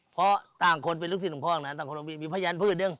เพราะต่างคนเป็นลูกศิลป่องนั้นมีพญานพืชยัง